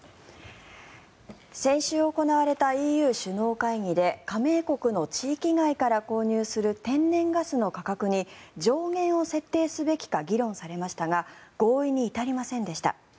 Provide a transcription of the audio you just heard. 先週行われたＥＵ首脳会議で加盟国の地域外から購入する天然ガスの価格に上限を設定すべきか議論されましたが合意に至りませんでした。